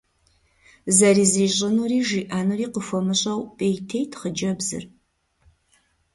Зэрызищӏынури жиӏэнури къыхуэмыщӏэу, пӏейтейт хъыджэбзыр.